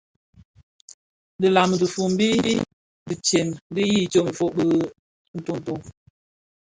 Dhilaň dhifombi dintsem di yin tsom ifog dhi ntonto.